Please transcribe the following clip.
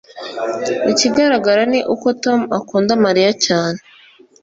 Ikigaragara ni uko Tom akunda Mariya cyane